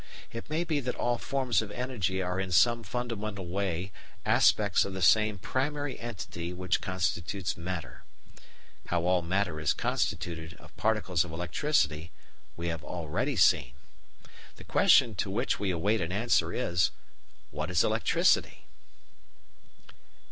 It may be that all forms of energy are in some fundamental way aspects of the same primary entity which constitutes matter: how all matter is constituted of particles of electricity we have already seen. The question to which we await an answer is: What is electricity?